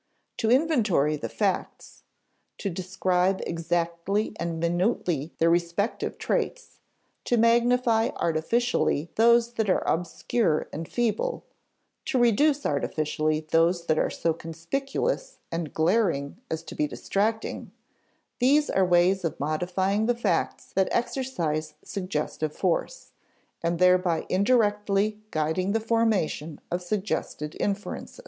To inventory the facts, to describe exactly and minutely their respective traits, to magnify artificially those that are obscure and feeble, to reduce artificially those that are so conspicuous and glaring as to be distracting, these are ways of modifying the facts that exercise suggestive force, and thereby indirectly guiding the formation of suggested inferences.